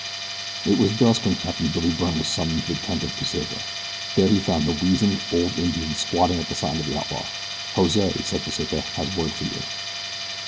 It was dusk when Captain Billy Byrne was summoned to the tent of Pesita. There he found a weazened, old Indian squatting at the side of the outlaw. "Jose," said Pesita, "has word for you."